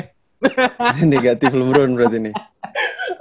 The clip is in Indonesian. sisi negatif lebron berarti nih